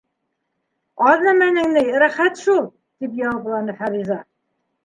— Аҙ нәмәнең ни, рәхәт шул, — тип яуапланы Фариза.